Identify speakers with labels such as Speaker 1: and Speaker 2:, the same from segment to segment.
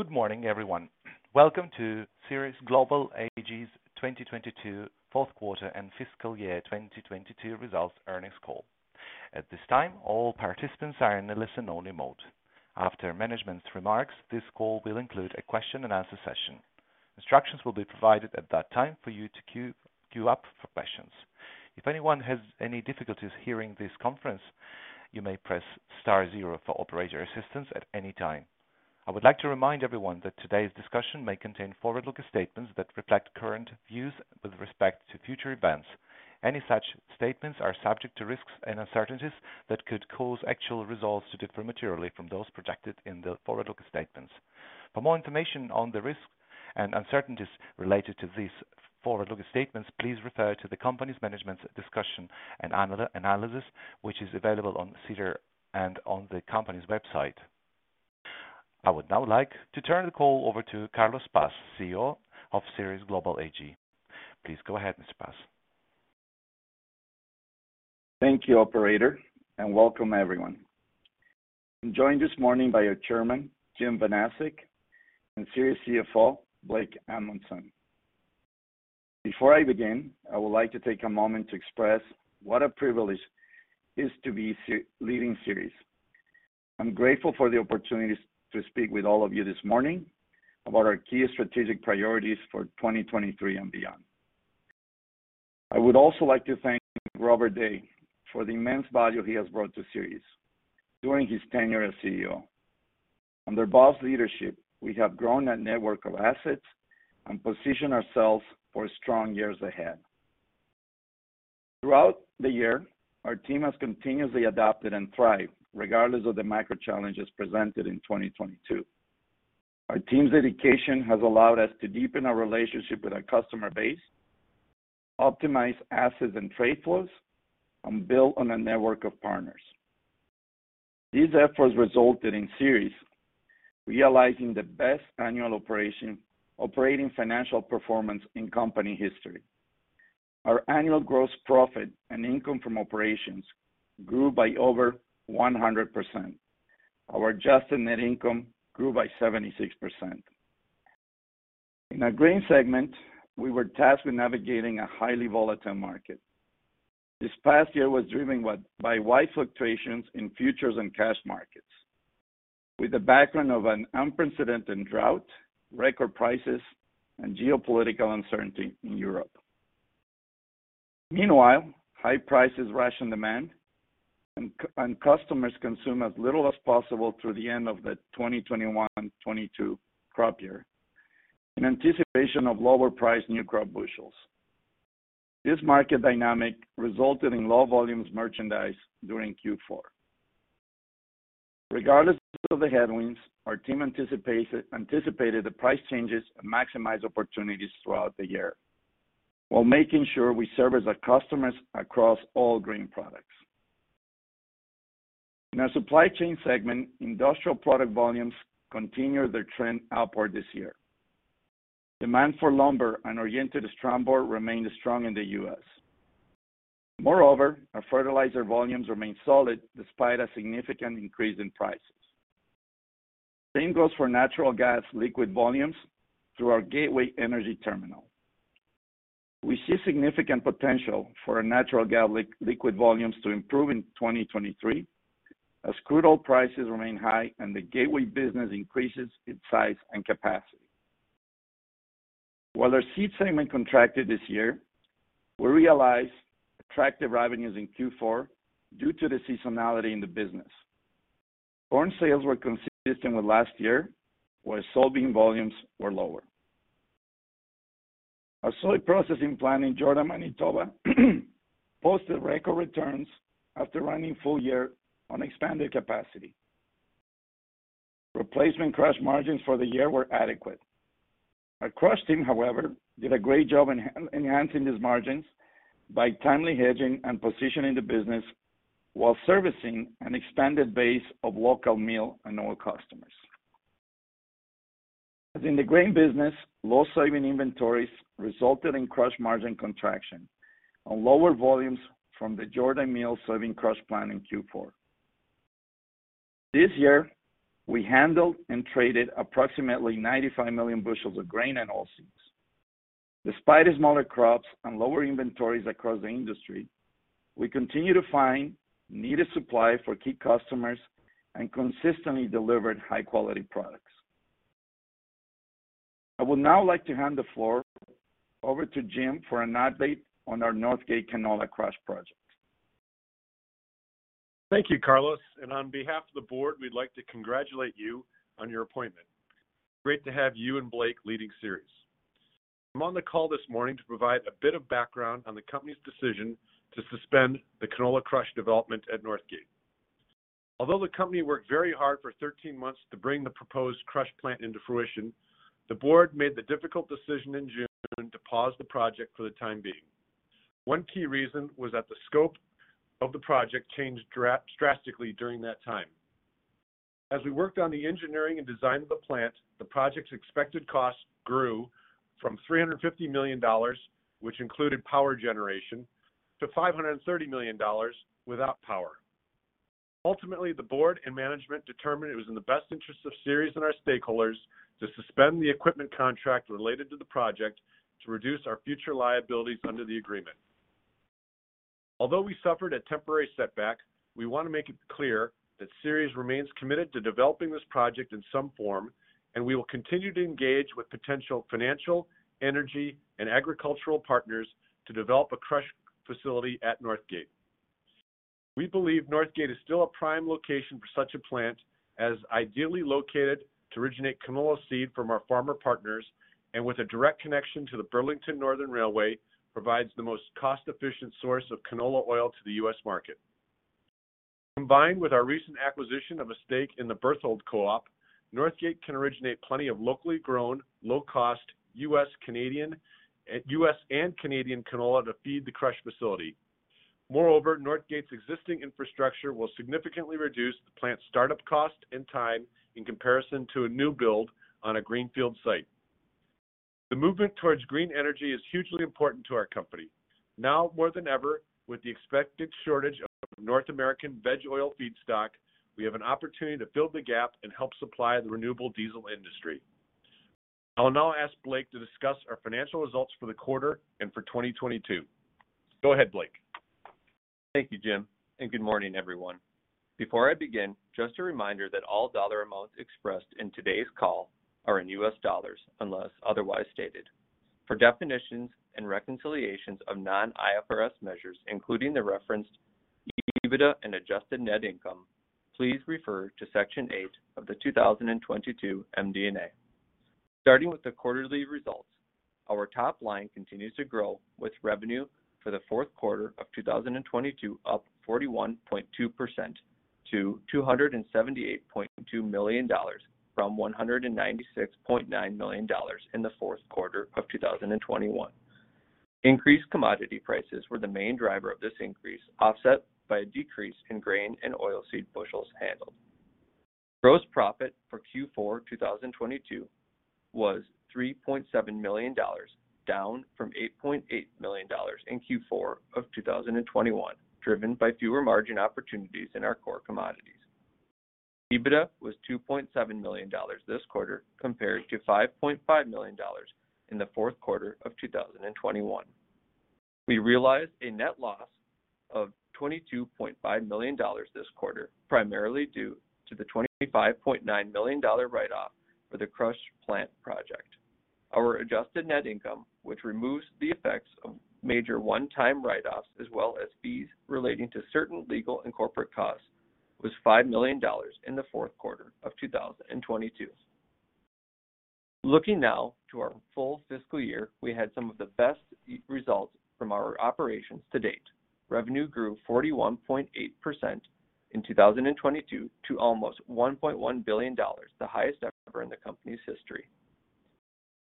Speaker 1: Good morning, everyone. Welcome to Ceres Global Ag Corp.'s 2022 Q4 and FY 2022 results earnings call. At this time, all participants are in a listen-only mode. After management's remarks, this call will include a question-and-answer session. Instructions will be provided at that time for you to queue up for questions. If anyone has any difficulties hearing this conference, you may press star zero for operator assistance at any time. I would like to remind everyone that today's discussion may contain forward-looking statements that reflect current views with respect to future events. Any such statements are subject to risks and uncertainties that could cause actual results to differ materially from those projected in the forward-looking statements. For more information on the risks and uncertainties related to these forward-looking statements, please refer to the company's management's discussion and analysis, which is available on SEDAR and on the company's website. I would now like to turn the call over to Carlos Paz, CEO of Ceres Global Ag Corp. Please go ahead, Mr. Paz.
Speaker 2: Thank you, operator, and welcome everyone. I'm joined this morning by our chairman, Jim Vanasek, and Ceres CFO, Blake Amundson. Before I begin, I would like to take a moment to express what a privilege it is to be leading Ceres. I'm grateful for the opportunity to speak with all of you this morning about our key strategic priorities for 2023 and beyond. I would also like to thank Robert Day for the immense value he has brought to Ceres during his tenure as CEO. Under Bob's leadership, we have grown a network of assets and positioned ourselves for strong years ahead. Throughout the year, our team has continuously adapted and thrived regardless of the micro challenges presented in 2022. Our team's dedication has allowed us to deepen our relationship with our customer base, optimize assets and trade flows, and build on a network of partners. These efforts resulted in Ceres realizing the best annual operating financial performance in company history. Our annual gross profit and income from operations grew by over 100%. Our adjusted net income grew by 76%. In our grain segment, we were tasked with navigating a highly volatile market. This past year was driven by wide fluctuations in futures and cash markets with the background of an unprecedented drought, record prices, and geopolitical uncertainty in Europe. Meanwhile, high prices ration demand and customers consume as little as possible through the end of the 2021-22 crop year in anticipation of lower-priced new crop bushels. This market dynamic resulted in low volume merchandising during Q4. Regardless of the headwinds, our team anticipated the price changes and maximize opportunities throughout the year while making sure we service our customers across all grain products. In our supply chain segment, industrial product volumes continued their trend upward this year. Demand for lumber and oriented strand board remained strong in the U.S. Moreover, our fertilizer volumes remain solid despite a significant increase in prices. Same goes for natural gas liquids volumes through our Gateway Energy Terminal. We see significant potential for our natural gas liquids volumes to improve in 2023 as crude oil prices remain high and the Gateway business increases its size and capacity. While our seed segment contracted this year, we realized attractive revenues in Q4 due to the seasonality in the business. Corn sales were consistent with last year, where soybean volumes were lower. Our soy processing plant in Jordan, Manitoba, posted record returns after running full year on expanded capacity. Replacement crush margins for the year were adequate. Our crush team, however, did a great job enhancing these margins by timely hedging and positioning the business while servicing an expanded base of local meal and oil customers. As in the grain business, low soybean inventories resulted in crush margin contraction on lower volumes from the Jordan meal soybean crush plant in Q4. This year, we handled and traded approximately 95 million bushels of grain and oilseeds. Despite smaller crops and lower inventories across the industry, we continue to find needed supply for key customers and consistently delivered high-quality products. I would now like to hand the floor over to Jim for an update on our Northgate canola crush project.
Speaker 3: Thank you, Carlos. On behalf of the board, we'd like to congratulate you on your appointment. Great to have you and Blake leading Ceres. I'm on the call this morning to provide a bit of background on the company's decision to suspend the canola crush development at Northgate. Although the company worked very hard for 13 months to bring the proposed crush plant into fruition, the board made the difficult decision in June to pause the project for the time being. One key reason was that the scope of the project changed drastically during that time. As we worked on the engineering and design of the plant, the project's expected cost grew from $350 million, which included power generation, to $530 million without power. Ultimately, the board and management determined it was in the best interest of Ceres and our stakeholders to suspend the equipment contract related to the project to reduce our future liabilities under the agreement. Although we suffered a temporary setback, we want to make it clear that Ceres remains committed to developing this project in some form, and we will continue to engage with potential financial, energy, and agricultural partners to develop a crush facility at Northgate. We believe Northgate is still a prime location for such a plant as ideally located to originate canola seed from our farmer partners, and with a direct connection to the BNSF Railway, provides the most cost-efficient source of canola oil to the U.S. market. Combined with our recent acquisition of a stake in the Berthold Farmers Elevator Company, Northgate can originate plenty of locally grown, low-cost U.S. and Canadian canola to feed the crush facility. Moreover, Northgate's existing infrastructure will significantly reduce the plant's startup cost and time in comparison to a new build on a greenfield site. The movement towards green energy is hugely important to our company. Now more than ever, with the expected shortage of North American veg oil feedstock, we have an opportunity to fill the gap and help supply the renewable diesel industry. I will now ask Blake to discuss our financial results for the quarter and for 2022. Go ahead, Blake.
Speaker 4: Thank you, Jim, and good morning, everyone. Before I begin, just a reminder that all dollar amounts expressed in today's call are in US dollars, unless otherwise stated. For definitions and reconciliations of non-IFRS measures, including the referenced EBITDA and adjusted net income, please refer to Section eight of the 2022 MD&A. Starting with the quarterly results, our top line continues to grow with revenue for the Q4 of 2022, up 41.2% to $278.2 million from $196.9 million in the Q4 of 2021. Increased commodity prices were the main driver of this increase, offset by a decrease in grain and oilseed bushels handled. Gross profit for Q4 2022 was $3.7 million, down from $8.8 million in Q4 of 2021, driven by fewer margin opportunities in our core commodities. EBITDA was $2.7 million this quarter, compared to $5.5 million in the Q4 of 2021. We realized a net loss of $22.5 million this quarter, primarily due to the $25.9 million write-off for the crush plant project. Our adjusted net income, which removes the effects of major one-time write-offs, as well as fees relating to certain legal and corporate costs, was $5 million in the Q4 of 2022. Looking now to our full FY, we had some of the best results from our operations to date. Revenue grew 41.8% in 2022 to almost $1.1 billion, the highest ever in the company's history.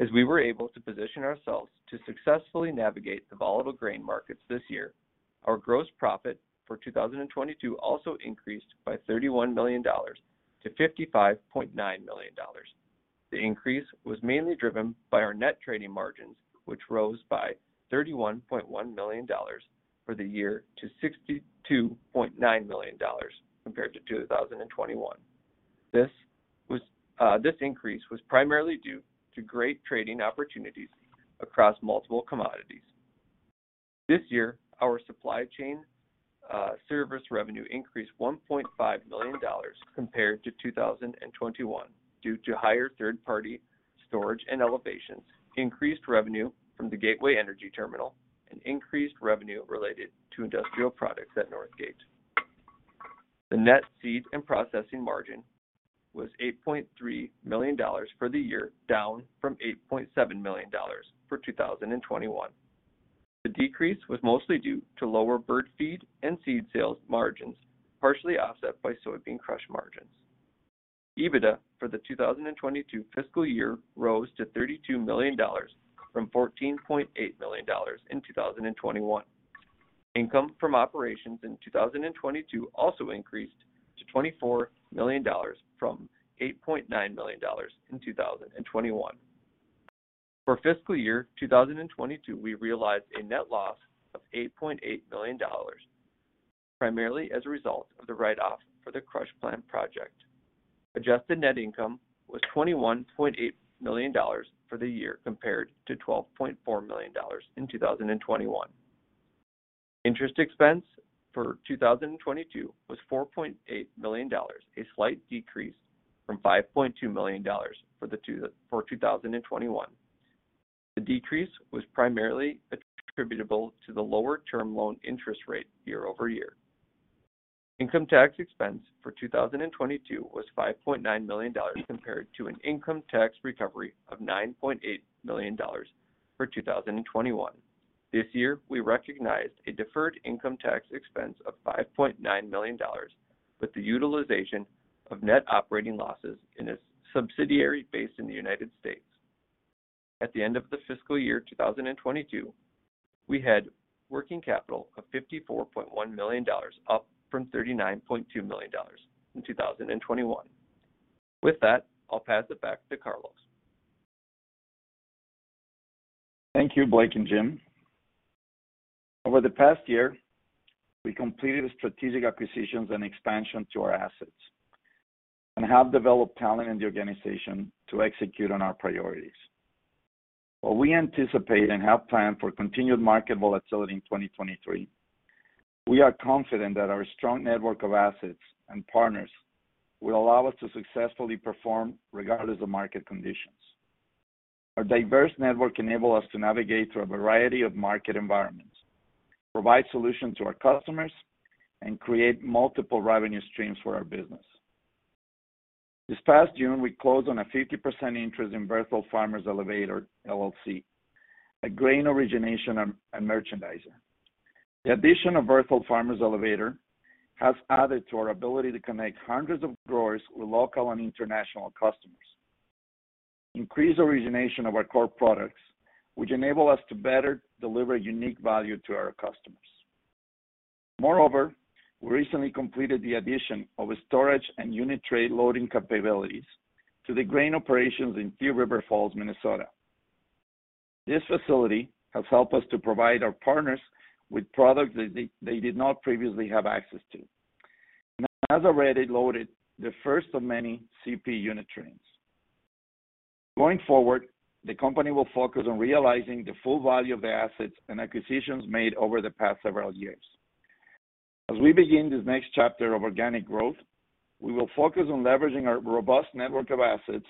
Speaker 4: As we were able to position ourselves to successfully navigate the volatile grain markets this year, our gross profit for 2022 also increased by $31 million to $55.9 million. The increase was mainly driven by our net trading margins, which rose by $31.1 million for the year to $62.9 million compared to 2021. This increase was primarily due to great trading opportunities across multiple commodities. This year, our supply chain service revenue increased $1.5 million compared to 2021 due to higher third-party storage and elevators, increased revenue from the Gateway Energy Terminal, and increased revenue related to industrial products at Northgate. The net seed and processing margin was $8.3 million for the year, down from $8.7 million for 2021. The decrease was mostly due to lower bird feed and seed sales margins, partially offset by soybean crush margins. EBITDA for the 2022 FY rose to $32 million from $14.8 million in 2021. Income from operations in 2022 also increased to $24 million from $8.9 million in 2021. For FY 2022, we realized a net loss of $8.8 million, primarily as a result of the write-off for the crush plant project. Adjusted net income was $21.8 million for the year, compared to $12.4 million in 2021. Interest expense for 2022 was $4.8 million, a slight decrease from $5.2 million for 2021. The decrease was primarily attributable to the lower-term loan interest rate year-over-year. Income tax expense for 2022 was $5.9 million compared to an income tax recovery of $9.8 million for 2021. This year, we recognized a deferred income tax expense of $5.9 million with the utilization of net operating losses in a subsidiary based in the United States. At the end of the FY 2022, we had working capital of $54.1 million, up from $39.2 million in 2021. With that, I'll pass it back to Carlos.
Speaker 2: Thank you, Blake and Jim. Over the past year, we completed strategic acquisitions and expansion to our assets and have developed talent in the organization to execute on our priorities. While we anticipate and have planned for continued market volatility in 2023, we are confident that our strong network of assets and partners will allow us to successfully perform regardless of market conditions. Our diverse network enable us to navigate through a variety of market environments, provide solutions to our customers, and create multiple revenue streams for our business. This past June, we closed on a 50% interest in Berthold Farmers Elevator LLC, a grain origination and merchandising. The addition of Berthold Farmers Elevator has added to our ability to connect hundreds of growers with local and international customers. Increased origination of our core products, which enable us to better deliver unique value to our customers. Moreover, we recently completed the addition of a storage and unit train loading capabilities to the grain operations in Thief River Falls, Minnesota. This facility has helped us to provide our partners with products that they did not previously have access to, and has already loaded the first of many CP unit trains. Going forward, the company will focus on realizing the full value of the assets and acquisitions made over the past several years. As we begin this next chapter of organic growth, we will focus on leveraging our robust network of assets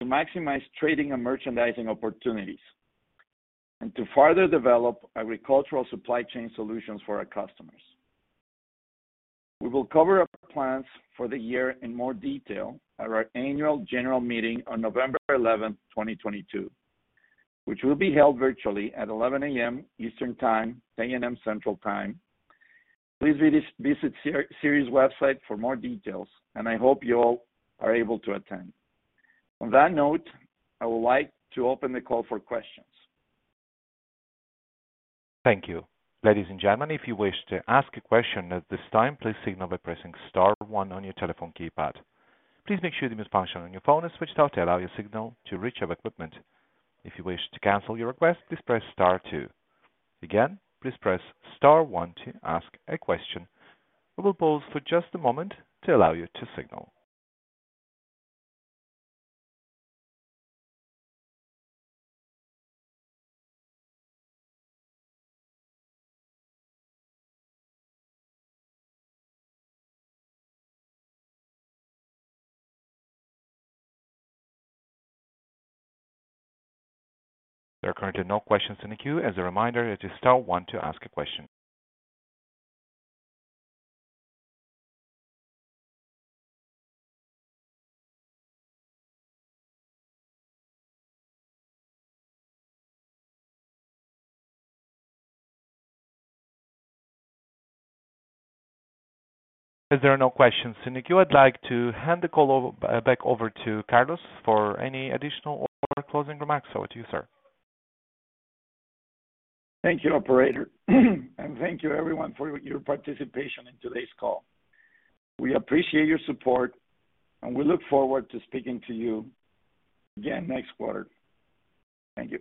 Speaker 2: to maximize trading and merchandising opportunities and to further develop agricultural supply chain solutions for our customers. We will cover our plans for the year in more detail at our annual general meeting on November 11, 2022, which will be held virtually at 11:00 A.M. Eastern Time, 10:00 A.M. Central Time. Please visit Ceres website for more details, and I hope you all are able to attend. On that note, I would like to open the call for questions.
Speaker 1: Thank you. Ladies and gentlemen, if you wish to ask a question at this time, please signal by pressing star one on your telephone keypad. Please make sure the mute function on your phone is switched off to allow your signal to reach our equipment. If you wish to cancel your request, please press star two. Again, please press star one to ask a question. We will pause for just a moment to allow you to signal. There are currently no questions in the queue. As a reminder, it is star one to ask a question. As there are no questions in the queue, I'd like to hand the call back over to Carlos for any additional or closing remarks. Over to you, sir.
Speaker 2: Thank you, operator, and thank you everyone for your participation in today's call. We appreciate your support, and we look forward to speaking to you again next quarter. Thank you.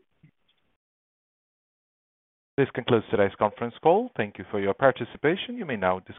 Speaker 1: This concludes today's conference call. Thank you for your participation. You may now disconnect.